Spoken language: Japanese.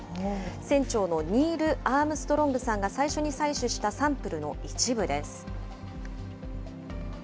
船長のニール・アームストロングさんが最初に採取したサンプルの一部です。